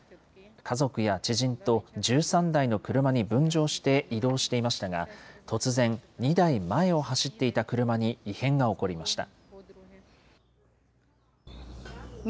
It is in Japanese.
家族や知人と１３台の車に分乗して移動していましたが、突然、２台前を走っていた車に異変が起こりました。